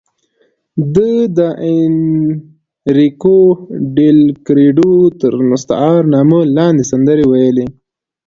ده د اینریکو ډیلکریډو تر مستعار نامه لاندې سندرې ویلې.